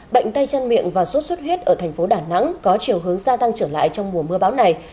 bệnh tay chăn miệng và suốt suốt huyết ở thành phố đà nẵng có chiều hướng gia tăng trở lại trong mùa mưa bão này